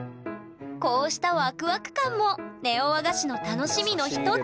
こうしたワクワク感もネオ和菓子の楽しみの一つ！